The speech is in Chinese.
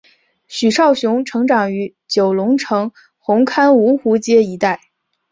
许绍雄成长于九龙城红磡芜湖街一带。